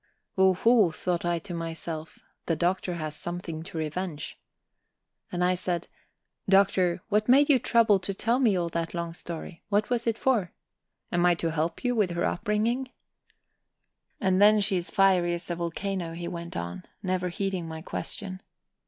"Oho," thought I to myself, "the Doctor has something to revenge." And I said: "Doctor, what made you trouble to tell me all that long story? What was it for? Am I to help you with her upbringing?" "And then she's fiery as a volcano," he went on, never heeding my question.